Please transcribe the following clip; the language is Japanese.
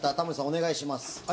お願いします。